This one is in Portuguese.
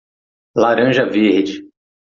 Laranja verde.